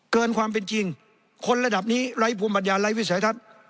เกินความเป็นจริงคนระดับนี้ไร้ภูมิปัญญาไร้วิสัยทัศน์